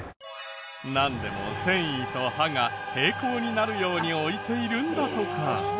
なんでも繊維と歯が平行になるように置いているんだとか。